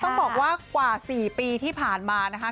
ต้องบอกว่ากว่า๔ปีที่ผ่านมานะคะ